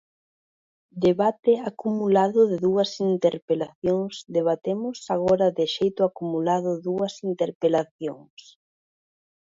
Debate acumulado de dúas interpelacións Debatemos agora de xeito acumulado dúas interpelacións.